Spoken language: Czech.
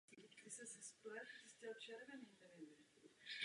Využívá magnetické vlny.